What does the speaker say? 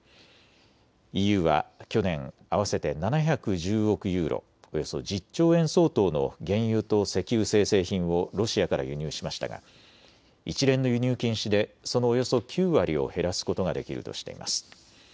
ＥＵは去年、合わせて７１０億ユーロ、およそ１０兆円相当の原油と石油精製品をロシアから輸入しましたが一連の輸入禁止でそのおよそ９割を減らすことができるとしています。